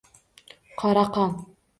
Qora qon.